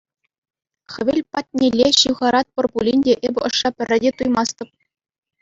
Хевел патнелле ҫывхаратпӑр пулин те эпӗ ӑшша пӗрре те туймастӑп.